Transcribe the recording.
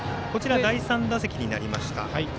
第３打席になりました。